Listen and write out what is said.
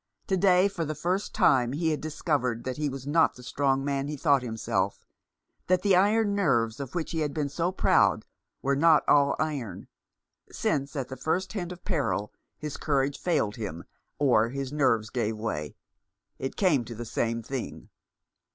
To day for the first time he had discovered that he was not the strong man he thought himself, that the iron nerves of which he had been so proud were not all iron, since at the first hint of peril his courage failed him, or his nerves gave way. It came to the same thing.